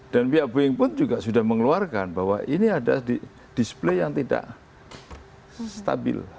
dan pihak boeing pun sudah mengeluarkan bahwa ini ada display yang tidak stabil